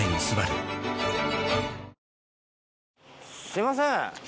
すいません